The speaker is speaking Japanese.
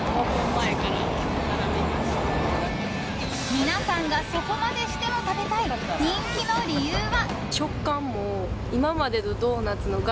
皆さんがそこまでしても食べたい人気の理由は。